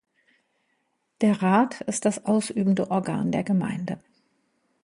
Der Rat ist das ausübende Organ der Gemeinde.